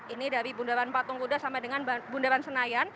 ini dari bundaran patung kuda sampai dengan bundaran senayan